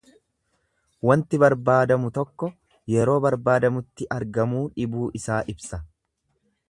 Wanti barbaadamu tokko yeroo barbaadamutti argamuu dhibuu isaa ibsa.